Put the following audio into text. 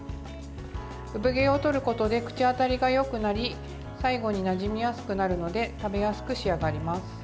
産毛を取ることで口当たりがよくなり最後に、なじみやすくなるので食べやすく仕上がります。